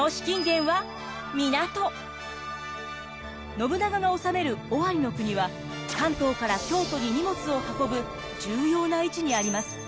信長が治める尾張の国は関東から京都に荷物を運ぶ重要な位置にあります。